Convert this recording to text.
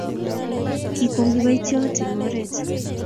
kikokwong kibokition eng oree